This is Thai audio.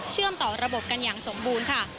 ต่อระบบกันอย่างสมบูรณ์ค่ะ